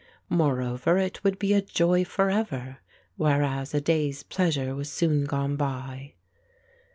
Moreover it would be a joy forever, whereas a day's pleasure was soon gone by.